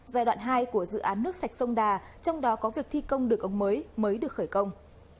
giai đoạn hai của dự án nước sạch sông đà trong đó có việc thi công đường ống mới mới được khởi công